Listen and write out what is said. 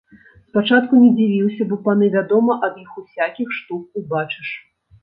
Спачатку не дзівіўся, бо паны, вядома, ад іх усякіх штук убачыш.